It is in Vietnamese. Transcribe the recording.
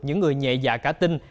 những người nhẹ dạ cá tinh